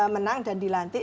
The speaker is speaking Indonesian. menang dan dilantik